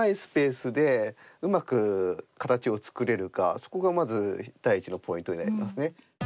そこがまず第一のポイントになりますね。